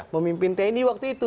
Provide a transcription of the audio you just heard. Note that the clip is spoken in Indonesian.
pemimpin tni waktu itu